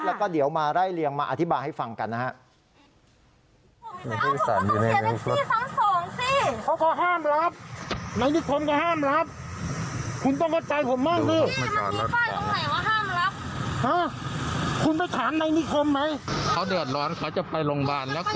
แล้วก็เดี๋ยวมาไล่เลียงมาอธิบายให้ฟังกันนะครับ